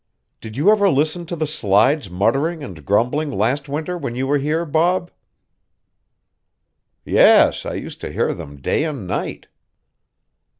Did you ever listen to the slides muttering and grumbling last winter when you were here, Bob?" "Yes, I used to hear them day and night."